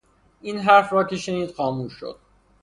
این حرف را که شنید خاموش شد